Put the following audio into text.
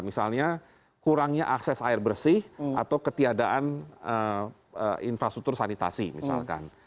misalnya kurangnya akses air bersih atau ketiadaan infrastruktur sanitasi misalkan